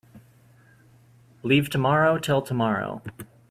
Leave tomorrow till tomorrow.